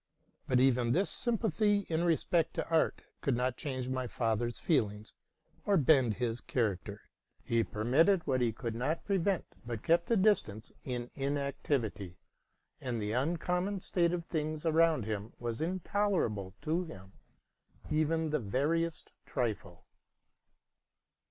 But even this sympathy in respect to art could not change my father's feelings nor bend his character. He permitted what he could not prevent, but kept at a distance in inac tivity; and the uncommon state of things around him was intolerable to him, even in the veriest trifle.